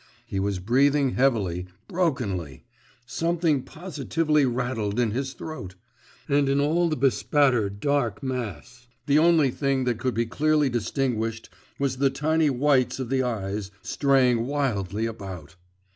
He was breathing heavily, brokenly; something positively rattled in his throat and in all the bespattered dark mass, the only thing that could be clearly distinguished was the tiny whites of the eyes, straying wildly about.